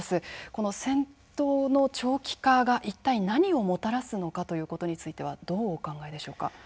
この戦闘の長期化が一体何をもたらすのかということについてはどうお考えでしょうか。